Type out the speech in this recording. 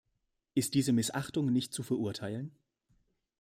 Ist diese Missachtung nicht zu verurteilen?